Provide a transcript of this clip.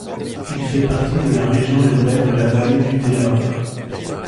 Il fait partie de la région urbaine de la Vallée du Delaware.